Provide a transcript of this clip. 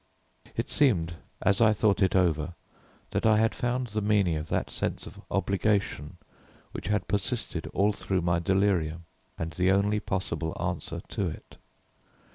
It seemed, as I thought it over, that I had found the meaning of that sense of obligation which had persisted all through my delirium, and the only possible answer to it.